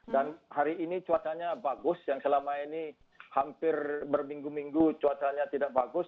dan hari ini cuacanya bagus yang selama ini hampir berminggu minggu cuacanya tidak bagus